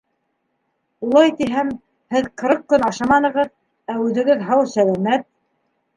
Улай тиһәм, һеҙ ҡырҡ көн ашаманығыҙ, ә үҙегеҙ һау-сәләмәт.